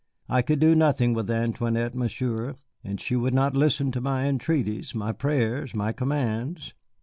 I could do nothing with Antoinette, Monsieur, and she would not listen to my entreaties, my prayers, my commands.